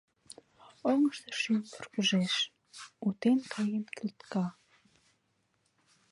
Оҥышто шӱм вургыжеш, утен каен кӱлтка.